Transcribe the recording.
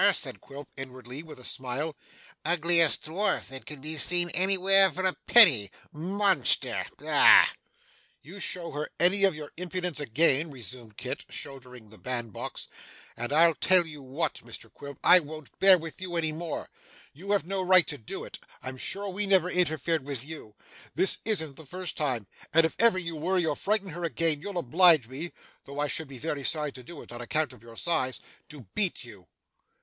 said Quilp inwardly, with a smile. 'Ugliest dwarf that could be seen anywhere for a penny monster ah!' 'You show her any of your impudence again,' resumed Kit, shouldering the bandbox, 'and I tell you what, Mr Quilp, I won't bear with you any more. You have no right to do it; I'm sure we never interfered with you. This isn't the first time; and if ever you worry or frighten her again, you'll oblige me (though I should be very sorry to do it, on account of your size) to beat you.